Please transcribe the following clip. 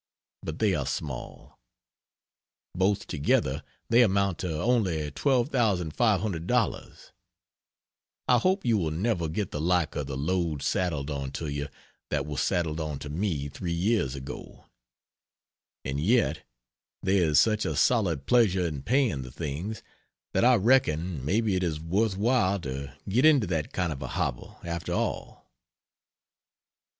But they are small. Both together they amount to only $12,500. I hope you will never get the like of the load saddled onto you that was saddled onto me 3 years ago. And yet there is such a solid pleasure in paying the things that I reckon maybe it is worth while to get into that kind of a hobble, after all.